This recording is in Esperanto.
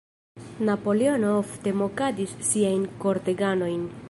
Napoleono ofte mokadis siajn korteganojn.